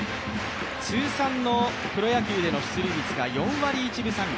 通算のプロ野球での出塁率が４割１分３厘。